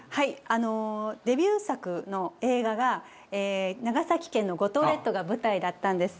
あのデビュー作の映画が長崎県の五島列島が舞台だったんです。